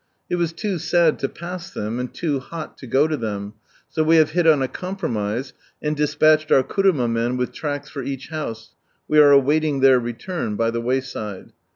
It was too sad to puB tben, and too bot to go to ibcm, so we have hit on a compromise and de ■ paliAcd oar knrama men with tracts for eacb boose, we awaiting their rctmn, by tbe wayiide.